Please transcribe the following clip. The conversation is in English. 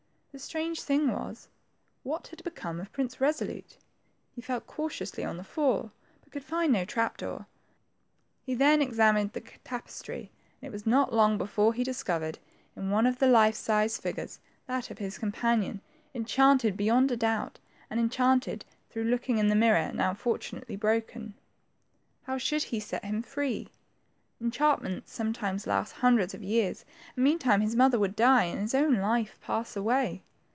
The strange thing was, what had become of Prince Kesolute. He felt cautiously on the floor, but could find no trap door. He then examined the tapestry, and it was not long hefore he discovered, in one of the life size figures, that of his companion, enchanted beyond a doubt, and enchanted through looking iti the mirror, now fortunately broken. How should he set him free ! Enchantments some times lasted hundreds of years, and meantime his mother would die, and his own life pass^way.